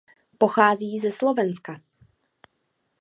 Pochází ze Slovenska.